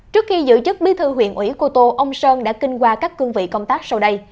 trước khi giữ chức bí thư huyện ủy cô tô ông sơn đã kinh qua các cương vị công tác sau đây